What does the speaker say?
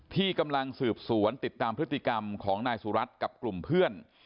ที่กำลังสืบสวนติดตามพฤติกรรมของนายสุรัตน์กับกลุ่มเพื่อน